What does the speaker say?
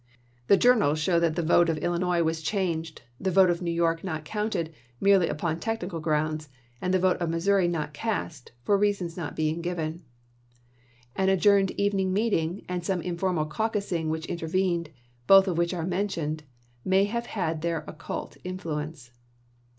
The journals show that the vote of Illinois was changed ; the vote of New York not counted, upon merely technical grounds ; and the vote of Missouri not cast, the reasons not being given. An adjourned evening meeting and some informal caucusing which intervened, both of which are mentioned, may have had their occult in fluence.